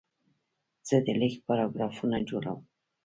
زه د لیک پاراګرافونه جوړوم.